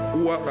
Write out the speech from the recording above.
wak tak percaya